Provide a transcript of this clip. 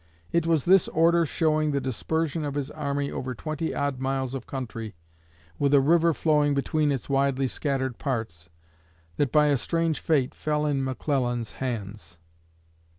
It was this order showing the dispersion of his army over twenty odd miles of country, with a river flowing between its widely scattered parts, that by a strange fate fell in McClellan's hands.